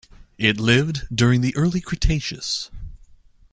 It lived during the Early Cretaceous.